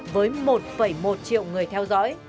với một một triệu người bán hàng